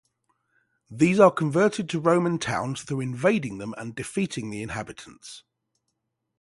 These are converted to Roman towns through invading them and defeating the inhabitants.